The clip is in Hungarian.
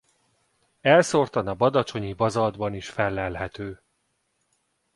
Elszórtan a badacsonyi bazaltban is fellelhető.